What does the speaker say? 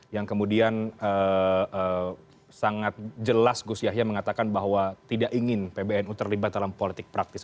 yang kemudian sangat jelas gus yahya mengatakan bahwa tidak ingin pbnu terlibat dalam politik praktis